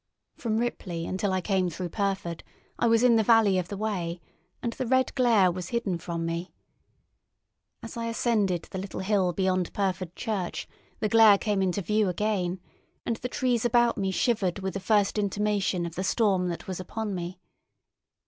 From Ripley until I came through Pyrford I was in the valley of the Wey, and the red glare was hidden from me. As I ascended the little hill beyond Pyrford Church the glare came into view again, and the trees about me shivered with the first intimation of the storm that was upon me.